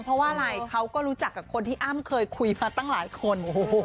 เพราะว่าอะไรเขาก็รู้จักกับคนที่อ้ำเคยคุยมาตั้งหลายคน